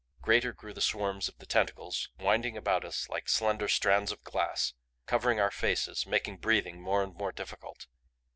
Greater grew the swarms of the tentacles winding about us like slender strands of glass, covering our faces, making breathing more and more difficult.